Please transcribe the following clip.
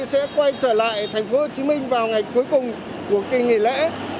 sẽ quay trở lại thành phố hồ chí minh vào ngày cuối cùng của kỳ nghỉ lễ